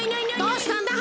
どうしたんだ？